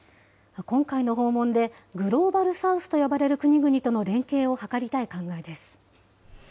今回の訪問で、グローバル・サウスと呼ばれる国々との連携を図りたい考えです。